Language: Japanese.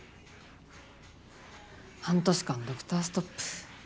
半年間ドクターストップ。